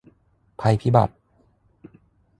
ภัยพิบัติ